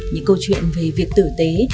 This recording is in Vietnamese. những câu chuyện về việc tử tế